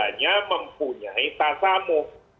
kita harus mempunyai tasamu